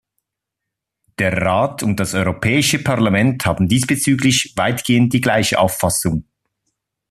Der Rat und das Europäische Parlament haben diesbezüglich weitgehend die gleiche Auffassung.